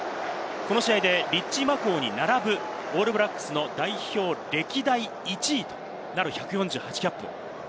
この試合でリッチー・マコウに並ぶオールブラックスの代表、歴代１位となる１４８キャップ。